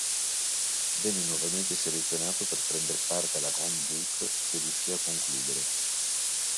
Venne nuovamente selezionato per prender parte alla "Grande boucle" che riuscì a concludere.